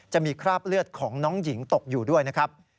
คราบเลือดของน้องหญิงตกอยู่ด้วยนะครับ